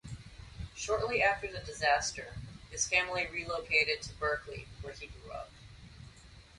Shortly after the disaster, his family relocated to Berkeley where he grew up.